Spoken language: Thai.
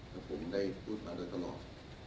แต่ผมได้พูดมาโดยตลอด